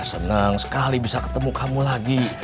senang sekali bisa ketemu kamu lagi